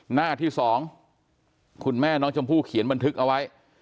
หน้าที่๒คุณแม่น้องชมพู่เขียนบันทึกเอาไว้